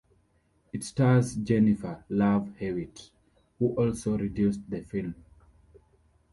It stars Jennifer Love Hewitt, who also produced the film.